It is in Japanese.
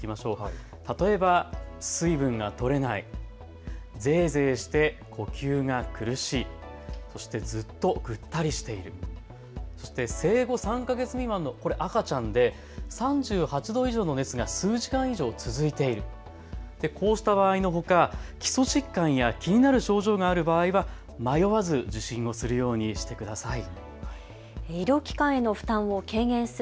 例えば、水分がとれない、ゼイゼイして呼吸が苦しい、そしてずっとぐったりしている、そして生後３か月未満の赤ちゃんで３８度以上の熱が数時間以上続いている、こうした場合のほか基礎疾患や気になる症状がある場合は迷わず受診をするようにしてください。